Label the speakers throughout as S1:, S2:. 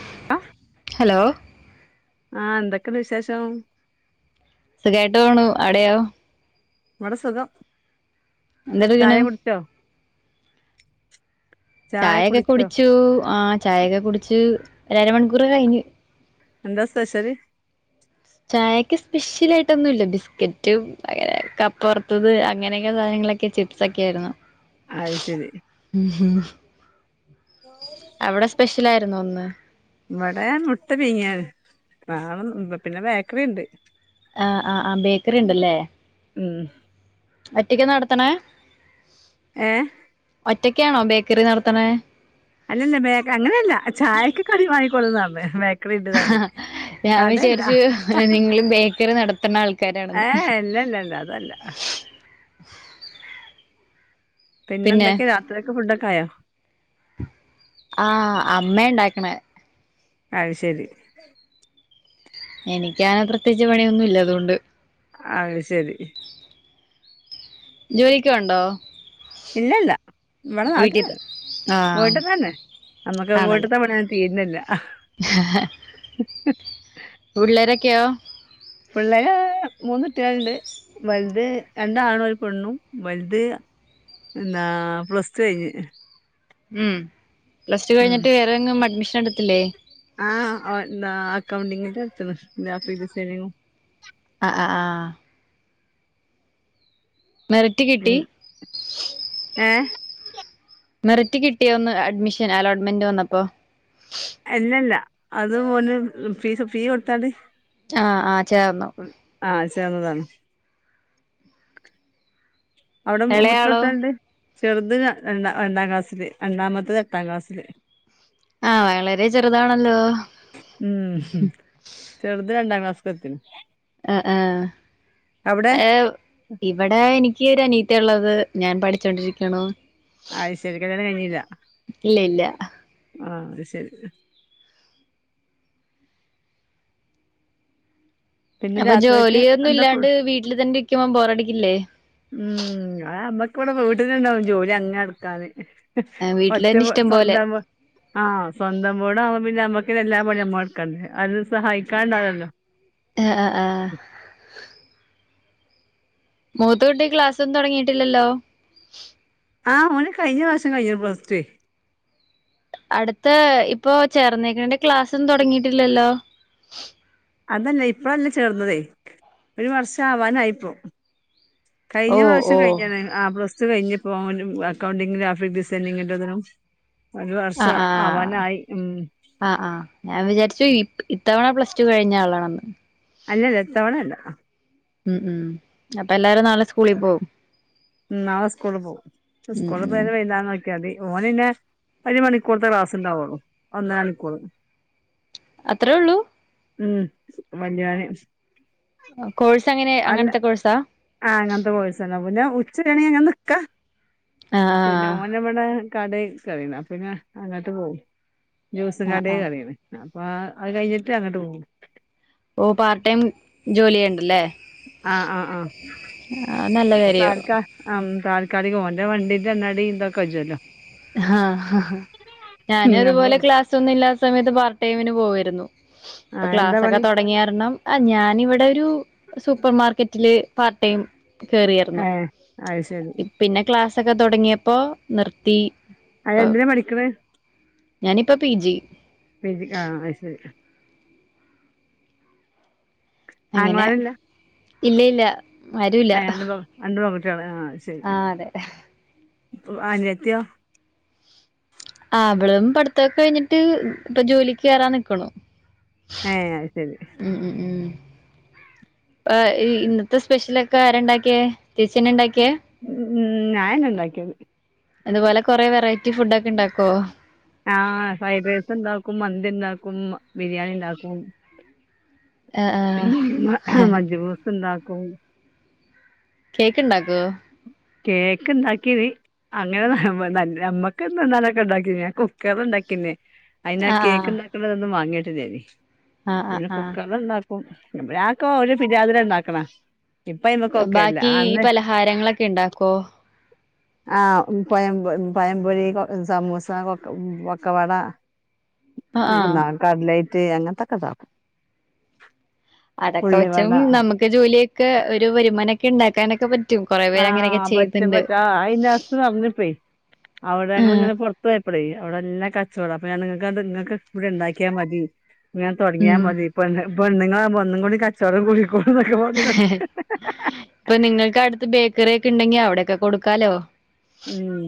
S1: [unintelligible]
S2: Hello
S1: ആഹ് എന്തൊക്കെണ്ട് വിശേഷം
S2: സുഖായിട്ട് പോണു അവിടെയോ
S1: ഇവട സുഖം.
S2: എന്തെടുക്കണ്
S1: ചായേക്ക കുടിച്ചോ ചായ
S2: ചായേക്കെ
S1: കുടിച്ചോ
S2: കുടിച്ചു ആഹ് ചായേക്കെ കുടിച്ച് ഒരരമണിക്കൂറ് കഴിഞ്ഞ്.
S1: എന്താ സ്പെഷ്യൽ?
S2: ചായക്ക് സ്പെഷ്യൽ ആയിട്ടൊന്നും ഇല്ല. ബിസ്ക്കറ്റ് കപ്പ വറത്തത് അങ്ങനെയങ്ങെ സാധനങ്ങളൊക്കെ ചിപ്സ് ഒക്കെ ആയിരുന്ന്.
S1: അത് ശരി
S2: അവിട സ്പെഷ്യല് ആരുന്നോ ഇന്ന്?
S1: ഇവിടേ മുട്ട പീങ്ങിയത് [unintelligible] പിന്നെ ബേക്കറി ഇണ്ട്.
S2: ആഹ് ആഹ് ആ ബേക്കറി ഇണ്ടല്ലേ
S1: ഉം
S2: ഒറ്റക്ക് നടത്തണെ
S1: ഏഹ്
S2: ഒറ്റക്കാണോ ബേക്കറി നടത്തണേ
S1: അല്ലല്ല ബേഗ അങ്ങനെയല്ല ചായക്ക് കടി വാങ്ങികൊള്ളുന്നതാണ്. [unintelligible]
S2: ആഹ് ഞാൻ വിചാരിച്ചു നിങ്ങളും ബേക്കറി നടത്തുന്ന ആൾക്കാരാണെന്ന്
S1: ഏഹ് ഇല്ലല്ലല്ല അതല്ല പിന്നെ എന്തക്കെ രാത്രിക്ക് ഫുഡൊക്കെ ക്കായോ
S2: ആഹ് അമ്മയാ ഇണ്ടാക്കണേ
S1: അത് ശരി
S2: എനിക്കങ്ങനെ പ്രത്യേകിച്ച് പണിയൊന്നും ഇല്ല അതൊണ്ട്
S1: അത് ശരി
S2: ജോലിക്ക് പോണ്ടോ
S1: ഇല്ല ഇല്ല ഇവിടെ നാട്ടിൽ തന്നെ
S2: ആഹ്
S1: വീട്ടി തന്നെ നമ്മുക്ക് വീട്ടത്തെ പണി - - തീരുന്നില്ല
S2: പിള്ളേരൊക്കെ ഒക്കെയോ
S1: പിള്ളാര് മൂന്ന് കുട്ടികളുണ്ട് വലുത് രണ്ടാണ് ഒരു പെണ്ണും വലുത് എന്താ പ്ലസ് ടു കഴിഞ്ഞ്
S2: ഉം പ്ലസ് ടു
S1: ഉം
S2: കഴിഞ്ഞിട്ട് വേറെങ്ങും അഡ്മിഷൻ എടുത്തില്ലേ
S1: കൗണ്ടിങ്ങിൻ്റെ അടുത്താണ് ഗ്രാഫിക് ഡിസൈനിങ്ങും
S2: ആ ആഹ് ആ മെറിറ്റ് കിട്ടി
S1: ഉം ഏ
S2: മെറിറ്റ് കിട്ടിയൊന്നു അഡ്മിഷൻ അലോട്ട്മെന്റ് വന്നപ്പോ
S1: അല്ലല്ല അത് മോന് ഫീസ് ഫീ കൊടുത്താണ്ട്
S2: ആഹ് ആ ചേർന്നു
S1: ആ ചേർന്നതാണ് അവിടെ
S2: ഇളയാളോ
S1: മുത്രട്ടണ്ട് ചെറുത് രണ്ട രണ്ടാം ക്ലാസ്സില് രണ്ടാമത്തെ എട്ടാം ക്ലാസ്സില്
S2: ആ വളരെ ചെറുതാണല്ലോ
S1: ത്തിന [unintelligible]
S2: ആ ആ ഏ ഇവിടെ എനിക്ക് എനിക്കൊരു അനിയത്തിയ ഉള്ളത് ഞാൻ പഠിച്ചോണ്ടിരിക്കണൂ
S1: അത് ശരി കല്യാണം കഴിഞ്ഞില്ല
S2: ഇല്ല ഇല്ല
S1: ആ അത് ശരി പിന്നെ
S2: അപ്പൊ
S1: രാത്രികക്ക്
S2: ജോലിയൊന്നും
S1: എന്താ ഫു
S2: ഇല്ലാണ്ട് വീട്ടിൽ തന്നെ ഇരിക്കുമ്പോ ബോറടി ക്കില്ലേ
S1: ഉം അമ്മക്ക് ഇവിടെ വീട്ടിലുണ്ടാവും ജോലി അങ്ങ് എടുക്കാത
S2: വീട്ടിൽ
S1: ഒറ്റ
S2: തന്നെ ഇഷ്ടം പോലെ
S1: സ്വന്തം ആഹ് സ്വന്തം വീടവുമ്പോ പിന്നെ നമ്മക്ക് എല്ലാ പണിയും നമ്മൾ എടുക്കണ്ടേ ആരും സഹായിക്കാനുണ്ടാവില്ലല്ലോ
S2: ആ ആ ആ മൂത്ത കുട്ടിക്ക് ക്ലാസ്സൊന്നും തുടങ്ങിട്ടില്ലല്ലോ
S1: ആഹ് മോന് കഴിഞ്ഞ പ്രാവശ്യം കഴിഞ്ഞു പ്ലസ്ടു
S2: അടുത്ത ഇപ്പൊ ചേർന്നേക്കണന്റെ ക്ലാസ് ഒന്നും തുടങ്ങിട്ടില്ലല്ലോ
S1: അതല്ല ഇപ്പഴല്ല ചേർന്നതേ ഒരു വർഷാവാനായിപ്പോ കഴിഞ്ഞ
S2: ഓ
S1: പ്രാവശ്യം
S2: ഓ
S1: കഴിഞ്ഞ ആ പ്ലസ് റ്റു കഴിഞ്ഞുപ്പോ ഓന് അക്കൗണ്ടിംഗിനും ഗ്രാഫിക് ഡിസൈനിങ്ങിന്റതിനും
S2: ആ ആഹ് ആ ആഹ് ഞാൻ വിചാരിച്ചു ഇത് ഇത്തവണ പ്ലസ് റ്റു കഴിഞ്ഞ ആളാണെന്ന്
S1: അല്ലല്ല ഇത്തവണല്ല
S2: മ് മ് അപ്പൊ എല്ലാരും നാളെ സ്കൂളിൽ പോകും
S1: മ് നാളെ സ്കൂളിൽ പോകും
S2: ഉം
S1: സ്കൂളിൽ
S2: ഉം
S1: പോയെത് വൈനാരം നോ ക്കിയാമതി ഓനിന്നെ ഒര്മണിക്കൂറ്ത്തെ ക്ലാസ്ണ്ടാവുള്ളു, ഒന്നര മണിക്കൂർ
S2: അത്രേ ഉള്ളൂ
S1: മ് വല്ല്യോന്
S2: കോഴ്സ് എങ്ങനെ അങ്ങൻത്തെ കോഴ്സാ?
S1: ആ അങ്ങനത്തെ കോഴ്സന്നെ [unintelligible] അങ്ങനെ നിക്കാ
S2: ആ
S1: പിന്നെ ഓനബടെ കടേ കേറീണ് അപ്പപിന്നെ അങ്ങട്ട് പോവും ജ്യൂസും
S2: ആ ആ
S1: കടേ
S2: ആ
S1: കേറീണ് അ പ്പാ അത് കഴിഞ്ഞിട്ട് അങ്ങട്ട് പോകും
S2: ഓ പാർട്ട് ടൈം ജോലി ചെയ്യണ്ടല്ലേ
S1: ആഹ് ആഹ് ആഹ്
S2: ആ നല്ല
S1: അപ്പ
S2: കാര്യോ
S1: താൽക്ക ആ താല് ക്കാലികം ഓന്റെ വണ്ടിന്റെ എണ്ണടീം തൊക്കെ കജ്ജോലോ
S2: ഹാ ഞാനും
S1: ഞമ്മൾ
S2: അതുപോലെ ക്ലാസൊന്നും ഇല്ലാത്ത സമയത്ത് പാർട്ടടൈമിന് പോവേ രുന്നു
S1: ആ
S2: ഇപ്പൊ
S1: എന്താ
S2: ക്ലാസ്സൊക്കെ
S1: പണി
S2: തൊടങ്യാരണം ആ ഞാനിവിടെ രു സൂപ്പർ മാർക്കറ്റില് പാർടൈം
S1: ഏ
S2: കേറിയേർന്നു
S1: അത് ശരി
S2: പിന്നെ ക്ലാസ് സൊക്കെ തൊടങ്യെപ്പോ നിർത്തി
S1: അതെന്തിനാ പഠിക്ക്ണ്
S2: ഞാനിപ്പോ പി ജി
S1: പി ജി ആ അഹ്ശെരി
S2: അങ്ങനെ
S1: ആങ്ങളാരില്ല
S2: ഇല്ല ഇല്ല ആരൂല്ല
S1: ട്ട്യാള് ആ ശരി
S2: ആഹ് അതെ
S1: അനിയത്തിയോ?
S2: ആഹ് അവളും പഠിത്തൊക്കെ കഴിഞ്ഞിട്ട് ഇപ്പ ജോലിക്ക് കേറാൻ നിക്കണു
S1: ഏ അഹ്ശരി
S2: അ ഇന്നത്തെ സ്പെഷ്യലൊക്കെ ആരണ്ടാക്കിയേ ചേച്ചിയന്നെ ഇണ്ടാ ക്ക്യെ
S1: ഉം ഞൻ ഉണ്ടാക്കിയത്
S2: അതുപോലെ കൊറെേ വെറൈറ്റി ഫുഡ് ഒക്കെ ഉണ്ടാക്കോ
S1: ആഹ ഫ്രൈഡ് റൈസ് ഉണ്ടാക്കും മന്തി ഉണ്ടാക്കും ബിരിയാണി ഉണ്ടാക്കും മജബോസന്ത ഉ
S2: കേക്ക്‌ ഇണ്ടാക്കോ
S1: കേക്ക് ഇണ്ടാക്കീന് അങ്ങനെ നമ്മക്ക് എന്താലൊക്കെ ഉണ്ടാക്കി ഞാൻ കുക്കർ ഉണ്ടാക്കിന് അയിന
S2: ആ ആ
S1: കേക്ക് ഉണ്ടാക്കണ്ടത ഒന്നന്ന് വാങ്ങിയട്ടെ അതരി
S2: ആ
S1: ഇടെ
S2: ആ ആ
S1: കുക്കർല് ഉണ്ടാക്കും നമ്മടെക്ക ഒരു പിര്യാതിര ഉണ്ടാക്കണ ഇപ്പൊ അയിമക്കൊക്കെ ഇല്ല
S2: ബാക്കി ഈ പലഹാരങ്ങളൊക്കെ ഉണ്ടാക്കും ക്ക
S1: ആഹ പയൊ പയംപൊരി സമോസ പൊക്കവട
S2: ആ ആ
S1: ഇ നാല് ക അട്ലെ റ്റേ അങ്ങനത്തൊക്കെതാും
S2: അതൊക്കെ കൊച്ചും നമുക്ക് ജോലിയ ഒെ ഒരു വരുമാനം ഒക്കെ ഉണ്ടാക്കാനൊക്കെപറ്റും
S1: ആഹ പറ്റ പറ്റ ആ ഇന്റെ അസ്ം പറഞ്ഞപ്പോേ
S2: ആ
S1: അവിടെങ്ങ ഇങ്ങനെ പുറത്ത്ു പോയപ്പടേ അവിടെല്ലാം [inaudible] അപ്പ ഞാൻ നിങ്ങത് നിങ്ങക്ക് ഇവിടെ ഉണ്ടാക്കിയാ മതി ഞാൻ
S2: ഉം
S1: തുടങ്ങിയൽ മതി ഇപ്പ പെണ്ണങ്ങ ഒന്നും കൂടി കച്ചോടം കുടിക്കും കൊ നാക്കെ പറ
S2: ചക്കറിയ ഒക്കെ ഉണ്ടെങ്കി അവിടെ ഒക്കെ കൊടുക്കാലോ
S1: ഉം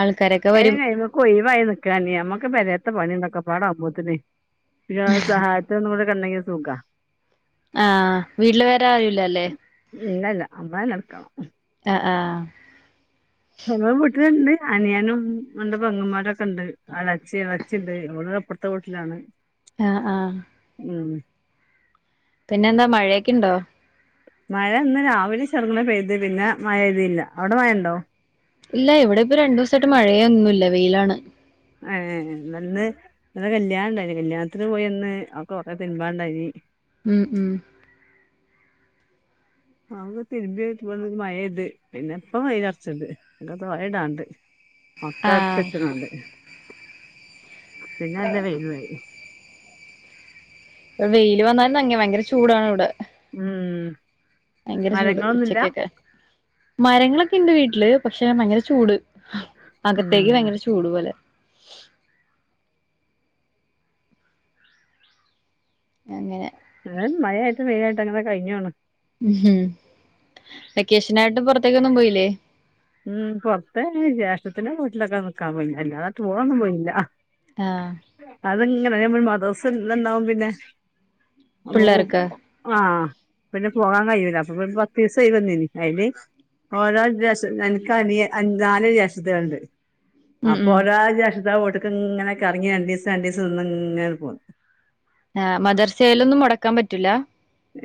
S2: ആൾക്കാരൊക്കെ
S1: അര
S2: വരും
S1: കമക്ക് ഒയവായി നക്കാന നമ്മക്ക് വരത്ത പണി ഉണ്ടൊക്കെ വടമ്പൂത്തിന പിന്നെ സഹായത്ത നമ്മുടെ ക [inaudible] സൂഗ
S2: ആഹ വീട്ടില് വേറെ ആരല്ലല്ലേ
S1: അമ്മ നടക്കണം
S2: ആ ആ
S1: ങ്ങ വീട്ടിലുണ്ട് അനിയാനും എന്റെ പെങ്ങന്മാരൊക്കെ ഉണ്ട് അടച്ചി ഇളച്ചി ഉണ്ട് എടെ എപ്പറത്തെ വീട്ടിലാണ്
S2: ആഹ ആഹ
S1: ഉം
S2: പിന്നെന്താ മഴയൊക്കുണ്ടോ
S1: മഴ ഇന്ന് രാവിലെ ചെറുങ്ങന പെയ്ത് പിന്നെ മഴ പഴുതിയില്ല അവിടെ മഴ ഉണ്ടോ
S2: ഇല്ല ഇവിടെ ഇപ്പ രണ്ടു ദിവസം ചേട്ട് മഴയൊന്നില്ല വെയിലാണ്
S1: ഇന്നൊരു കല്യാണം ഇണ്ടായിന് കല്യാണത്തിന് പോയി വന്ന് ആ ഒക്കെ കൊറെ തിരുമ്പാന്ണ്ടായിനി.
S2: ഉം ഉം
S1: ആക്കൊ തിരുമ്പി [unintelligible] മഴ പെയ്ത്, പിന്നെ ഇപ്പം വെയിലറച്ച്ണ്ട് ആ ഒക്കെ തോരി ഇടാണ്ട്. മക്കളെടുത്ത്
S2: ആഹ്
S1: വെച്ചണകണ്ട് പിന്നെ എന്താ വെയില് പോയി
S2: ഇവിടെ വെയില് വന്നാലും [unintelligible] ഭയങ്കര ചൂടാണ് ഇവിടെ
S1: ഉം ഉം
S2: ഭയങ്കര ചൂട്
S1: മരങ്ങളൊന്നുല്ല
S2: ഉച്ചക്കൊക്കെ മരങ്ങളൊക്കെ ഉണ്ട് വീട്ടില്, പക്ഷെ ഭയങ്കര ചൂട്.
S1: ഉം
S2: അകത്തേക്ക് ഭയങ്കര ചൂട് പോലെ. അങ്ങനെ
S1: [unintelligible] മഴ ആയിട്ട ട്ടും വെയിലായിട്ടും അങ്ങനെ കഴിഞ്ഞോണ്.
S2: ഉം വെക്കേഷനായിട്ട് പുറത്തേക്ക് ഒന്നും പോയില്ലേ?
S1: ഉം പുറത്തെ ജേഷ്ഠത്തിന്റെ വീട്ടിലൊക്കെ നിക്കാൻ പോയിട്ടുണ്ട്, അല്ലാണ്ട് ടൂർ ഒന്നും പോയിട്ടില്ല.
S2: ആഹ്
S1: അത് ഇങ്ങനെ അയിന് നമ്മള് മദർസ് ത്ത് ന്നാവും പിന്നെ
S2: പിള്ളേർക്ക്
S1: ആഹ് പിന്നെ പോകാൻ കഴിയൂല്ല, അപ്പൊ പിന്നെ പത്ത് ദിവസായി വന്നിന് അതില് ഓരോ ദിവസ് എനക്ക് അനിയ നാല് ജേഷ്ഠത്തിയേളുണ്ട്
S2: ഉം
S1: അപ്പൊ
S2: ഉം
S1: ഒരാഴ്ച ജേഷ്ഠത്തിയോളെ വീട് ക്കെ ഇങ്ങനെ കറങ്ങി രണ്ടീസം രണ്ടീസം നിന്ന് ഇങ്ങനെ പോവും.
S2: ആ മദർസയിലൊന്നും മുടക്കാൻ പറ്റൂല?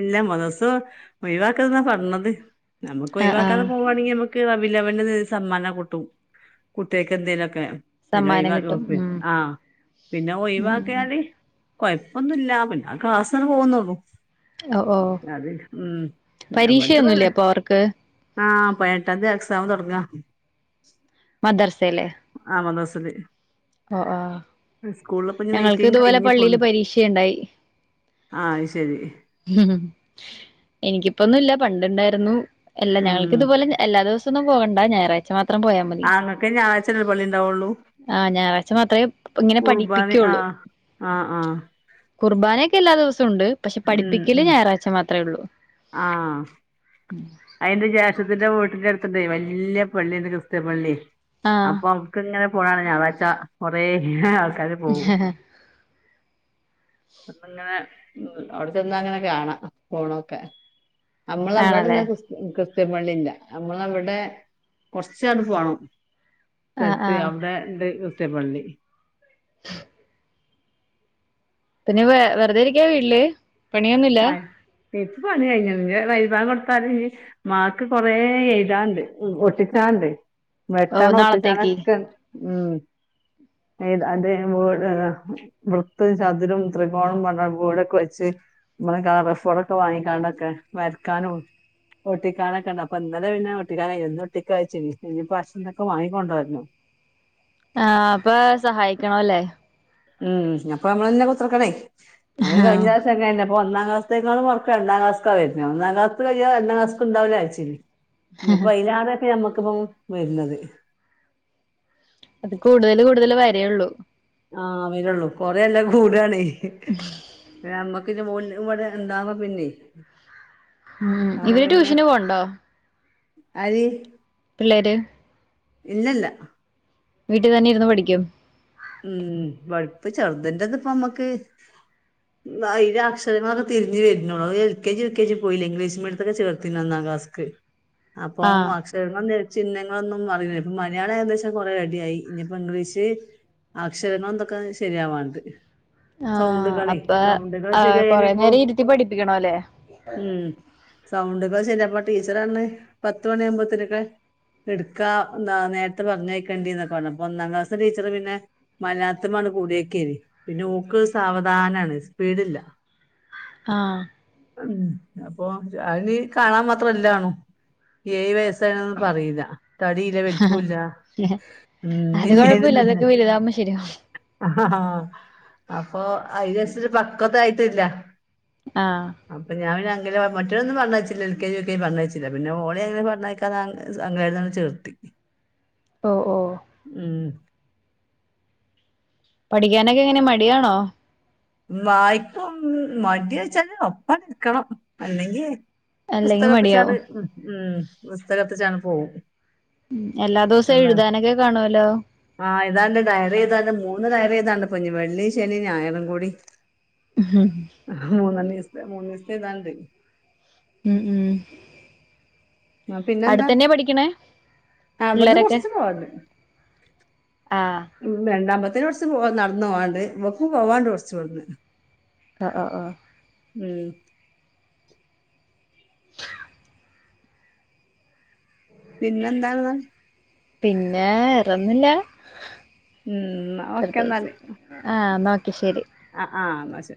S1: ഇല്ല മദർസ ഒഴിവാക്കെരുത് ന്നാ പറഞ്ഞത്. നമുക്ക്
S2: ആഹ്
S1: ഒഴിവാക്കാതെ
S2: ആഹ്
S1: പോവാണെങ്കി നമുക്ക് വ വിലവന്റെ സമ്മാനം കൂട്ടും കുട്ടികക്ക് എന്തേലുമൊക്കെ പിന്നെ ഒയി
S2: സമ്മാനം കിട്ടും
S1: [unintelligible]
S2: ഉം
S1: ആഹ് പിന്നെ
S2: ഉം ഉം
S1: ഒഴിവാക്കിയാല് കൊയപ്പൊന്നും ഇല്ല, പിന്നെ ആ ക്ലാസ്സ ങ്ങട് പോകുന്നെ ഉള്ളൂ.
S2: ഓ ഓ
S1: നമ്മൾത്
S2: പരീക്ഷയൊന്നുല്ലെ അപ്പ അവർക്ക്.
S1: ആഹ് പതിനെട്ടാൻതീ എക്സാം തൊടങ്ങാ.
S2: മദർസയിലെ
S1: ആ മദർസല്
S2: ഓ ഓ
S1: ഇനി
S2: ഞങ്ങൾക്ക്
S1: മീറ്റിംഗ്
S2: ഇതുപോലെ
S1: കഴിഞ്ഞ്
S2: പള്ളീല്
S1: പോന്ന്
S2: പരീക്ഷണ്ടായി.
S1: ആ അയ്ശെരി.
S2: എനിക്കിപ്പൊന്നുല്ല പണ്ട് ഇണ്ടായിരുന്നു എല്ല
S1: ഉം
S2: ഞങ്ങൾക്കിതുപോലെ ഞ എല്ലാ ദിവസ ന്നും പോകണ്ട ഞായാഴ്ച മാ
S1: ആങ്ങക്ക് ഞായറാഴ്ചനെല്ലേ പള്ളി ണ്ടാവുള്ളൂ
S2: ആഹ് ഞായറാഴ്ച മാത്രമേ ഇങ്ങനെ
S1: കുർബാന ആ
S2: പഠിപ്പിക്കുള്ളൂ
S1: ആഹ് ആ
S2: കുർബാനൊക്കെ എല്ലാ ദിവസവും ഉണ്ട്
S1: ഉം
S2: പഠിപ്പിക്കല്
S1: ഉം
S2: ഞായറാഴ്ച്ച മാത്രമേ ഉള്ളൂ
S1: ആ അയിന്റെ ജേഷത്തിന്റെ വീട്ടിന്റെ അടുത്തുണ്ട് വല്യ പള്ളിണ്ട് ക്രിസ്ത്യൻ പള്ളി
S2: ആഹ്
S1: അപ്പൊ അട്ക്ക് ഇങ്ങനെ പോണ് ഞായറാച്ച കൊറേ ആൾ കാര് പോവു ഇങ്ങനെ അവിടെ ചെന്നാ അങ്ങനെ കാണാം പോണൊക്കെ നമ്മള് നമ്മളഅവിടെന്ന
S2: ആണല്ലേ
S1: ക്യ- ക്രിസ്ത്യൻ പള്ളില്ല നമ്മള അവിടെ കൊറച്ചട് പോണം
S2: ആഹ്
S1: സഥലത്ത്
S2: ആഹ്
S1: അവിടെ ണ്ട് മത്തെ പള്ളി
S2: പിന്നെ വ വെറുതെ ഇരിക്കാ വീട്ടില് പണിയൊന്നുല്ല
S1: ആ പ്പ പണി കഴിഞ്ഞ് നി വൈ ബാക്കൊടുത്താല് മാക്ക് കൊറെ എഴുതാണ്ട് ഒട്ടിച്ചാണ്ട്
S2: ഓ
S1: വെട്ടണം
S2: നാളത്തേക്ക്
S1: ഒട്ടിചാനക്കെണ്ട് ഉം അത് വട് വൃത്ത ചതുരും ത്രികോണവും പറഞ്ഞാണ്ട് വീടൊക്കെ വെച്ച് നമ്മെ കളഫോഡൊക്കെ വാങ്ങിക്കാനൊക്കെ വരക്കാനും ഒട്ടിക്കാനൊക്കെണ്ട് അപ്പൊ ഇന്നലെ പിന്നെ ഓട്ടിക്കാനൻ ഒന്ന് ഒട്ടിക്കയച്ചി ഇനിപ്പശന്നൊക്കെ വാങ്ങിക്കൊണ്ടോര്ണം
S2: ആ അപ്പൊ സഹായിക്കണം അല്ലേ
S1: ഉം അപ്പൊ നമ്മളന്നെ കുത്രക്കണേ കഴിഞ്ഞ
S2: ആഹ്
S1: പ്രാവിശ്യം അങ്ങനെന്നെ അപ്പ ഒന്നാംക്ലാസ്സ്‌ത്തേക്കാളും വർക്ക് രണ്ടാംക്ലാസ്സ്‌ക്കാ വര്ന്നേ ഒന്നാംക്ലാസ്സ്ത്ത് കഴിഞ്ഞാ രണ്ടാംക്ലസ്ക്ക്ണ്ടാവൂല്ല വിചാരിച്ചിനി ഇപ്പ അയിലേറൊക്കെ നമ്മക്ക് പ്പം വര്ന്നത്
S2: അത് കൂടുതൽ കൂടുതൽ വരേള്ളൂ
S1: ആ വരുള്ളൂ കൊറെല്ലാ കൂടാണേ നമ്മക്ക് [unintelligible] ഇവിടെ എന്താവാ പിന്നെ
S2: ഉം ഇവര് ട്യൂഷന് പോണ്ടോ
S1: ആര്
S2: വര്
S1: ഇല്ലല്ല
S2: വീട്ടിൽ തന്നെ ഇര്ന്ന് പഠിക്കും
S1: ഉം വഴുപ്പ് ചേർതന്റെത് ഇപ്പം നമ്മക്ക് വായിൽ അക്ഷരങ്ങളൊക്കെ തിരിഞ്ഞു വരുന്നുള്ളു L K G U K G പോയില്ല ഇംഗ്ലീഷ് മീഡിയത്തിലാ ചേർത്തീനെ ഒന്നാം ക്ലാസ്ക് അപ്പം
S2: ആഹ്
S1: അക്ഷരങ്ങളൊന്നെയുതു ചിഹ്നങ്ങളൊന്നും അറില്ല ഇപ്പൊ മലയാളം ഏകദേച്ചാൽ കൊറെേ റെഡിയായി ഇനിയിപ്പോ ഇംഗ്ലീഷ് അക്ഷരങ്ങൾ എന്തൊക്കെ ശരിയാവാണ്ട്
S2: ആ
S1: സൗണ്ടുകളെ
S2: അപ്പ
S1: സൗണ്ടുകൾ
S2: ആ കൊറെ
S1: ശരിയായാലിപ്പോ
S2: നേരം ഇരുത്തി പഠിപ്പിക്കണ അല്ലേ
S1: അ ശരിപ്പോ ടീച്ചറണ് പത്ത് മണിയാവകുമ്പോക്കെ എടുക്കാ എന്താ നേരത്തെ പറഞ്ഞയ്ക്കേണ്ടിന്നൊക്കെ അപ്പൊ ഒന്നാം ക്ലാസ്സിന് ടീച്ചർ പിന്നെ മനാത്തമാണ് കൂടിയക്ക പിന്നെ ഓക്ക് സാവധാനമാണ് സ്പീഡില്ല
S2: ആഹ്
S1: ഉം അപ്പൊ അയിനു കാണാൻ മാത്രല്ല ആണു ഏഴ വയ ന്ന പറയില്ല തടിയില്ല വലിപ്പല്ല ഉം ഇല്ലതിന്നെ
S2: ശരിആവും
S1: ആ ആ അപ്പൊ അഐകശ ഒരു പക്വത ആയിട്ടില്ല
S2: ആഹ്
S1: അപ്പൊ ഞാൻ അ മറ്റൊന്നും പറണം വെച്ചില്ല എൽ കെ ജി കെ പറ വെച്ചില്ല പിന്നെഓളി അങ്ങനെ പക്കാ അങ്ങ ചേർത്തി
S2: ഓ ഓ
S1: ഉം
S2: പഠിക്കാനൊക്കെ എങ്ങനെ മടിയാണോ
S1: വായ്പും മഡീ വച്ചാല് ഒപ്പം നിൽക്കണം അല്ലെങ്കി
S2: അല്ലെങ്കി
S1: പുസ്തകപ്പിച്ചണ്ട്
S2: മടിയാവും
S1: ഉം ഉം പുസ്തകത്തിച്ചാണ് പോക
S2: ഉം എല്ലാ ദിവസവും എഴുതാനൊക്കെ കാണുവലോ
S1: ആ് ഇതാണ്ട് ഡയറി ഇതാണ്ട് മൂന്ന് ഡയറി ഇതാണ്ട് പൊഞ്ഞ് വെള്ളി ശനി ഞായരും കൂടി [unintelligible] മൂന്നവസത്തെ എഴുതനണ്ട്
S2: മം ഉം
S1: ആ പിന്നെന്താ
S2: അടുത്തന്നെയാ പഠിക്കണേ
S1: അവിടുന്ന്
S2: പിള്ളേരൊക്കെ
S1: കുറച്ച് പോവാത്
S2: ആഹ്
S1: വേണ്ടാമ്പ അത്ര കുറച്ച് പോ നടന്നു പോവാണ്ട ഇവപ്പും പോവാണ്ട് കുറച്ചവിന്ന്
S2: ആ ആ ആ
S1: ഉം പിന്നെന്താ
S2: പിന്നെ ഇറന്നില്ല
S1: ഉം എന്നാ ഓക്കെ
S2: പ്രത്യേകിച്ച്
S1: എന്നാല്
S2: ആ നോ ശരി
S1: ആ ആ എന്നോശെ